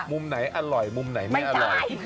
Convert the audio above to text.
มุมไหนอร่อยมุมไหนไม่อร่อย